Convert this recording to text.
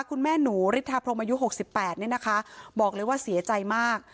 คุณแม่หนูฤทธาพรมอายุ๖๘เนี่ยนะคะบอกเลยว่าเสียใจมาก